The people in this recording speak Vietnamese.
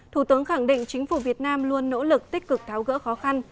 thủ tướng khẳng định chính phủ việt nam luôn nỗ lực tích cực tháo gỡ khó khăn